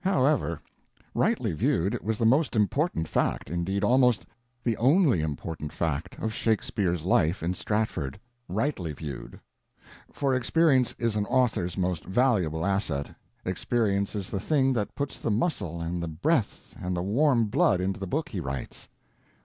However, rightly viewed, it was the most important fact, indeed almost the only important fact, of Shakespeare's life in Stratford. Rightly viewed. For experience is an author's most valuable asset; experience is the thing that puts the muscle and the breath and the warm blood into the book he writes.